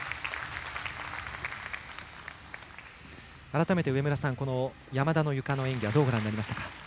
改めて山田のゆかの演技はどうご覧になりましたか。